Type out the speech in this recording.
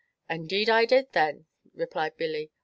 "Indeed and I did, then," replied Billy.